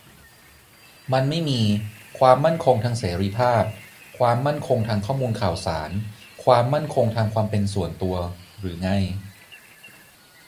มันไม่มี ความมั่นคงทางเสรีภาพ ความมั่นคงทางข้อมูลข่าวสาร ความมั่นคงทางความเป็นส่วนตัว หรือไง ?